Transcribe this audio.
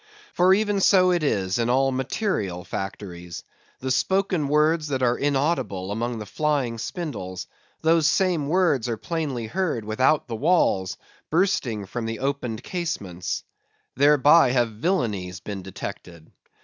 For even so it is in all material factories. The spoken words that are inaudible among the flying spindles; those same words are plainly heard without the walls, bursting from the opened casements. Thereby have villainies been detected.